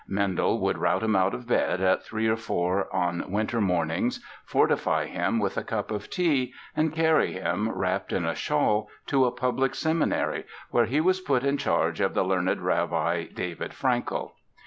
Mendel would rout him out of bed at three or four on winter mornings, fortify him with a cup of tea and carry him, wrapped in a shawl, to a public seminary where he was put in charge of the learned Rabbi David Frankel.